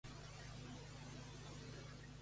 Lennon Parham y Jessica St.